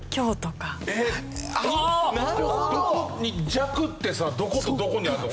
弱ってさどことどこにあるの？